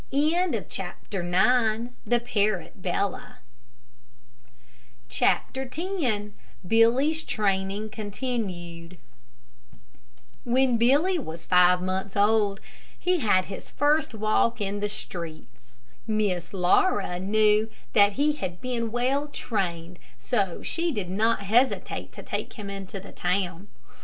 CHAPTER X BILLY'S TRAINING CONTINUED When Billy was five months old, he had his first walk in the street. Miss Laura knew that he had been well trained, so she did not hesitate to take him into the town.